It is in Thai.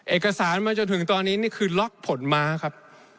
เอกสารมาจนถึงตอนนี้นี่คือล็อกผลม้าครับ